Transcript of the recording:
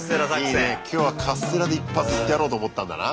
いいね今日はカステラで一発いってやろうと思ったんだな。